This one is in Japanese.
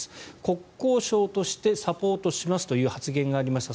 国交省としてサポートしますという発言がありました。